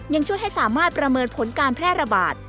ยังช่วยให้สามารถประเมินผลการแพร่ระบาด